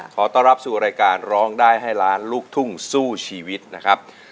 ขอต้อนรับสู่รายการร้องได้ให้ล้านลูกทุ่งสู้ชีวิตนะครับ